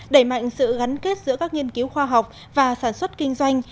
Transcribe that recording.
đẩy mạnh sự gắn kết giữa các nghiên cứu khoa học và sản xuất kinh doanh